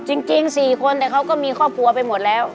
จริง๔คนแต่เขาก็มีครอบครัวไปหมดแล้ว